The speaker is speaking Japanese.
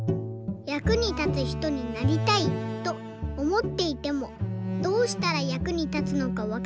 「役に立つひとになりたいとおもっていてもどうしたら役に立つのかわかりません。